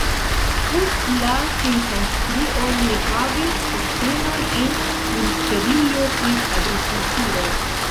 Post la finkonstruo li havis postenon en ministerio pri agrikulturo.